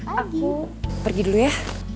aku pergi dulu ya